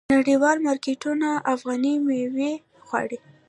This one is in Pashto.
نړیوال مارکیټونه افغاني میوې غواړي.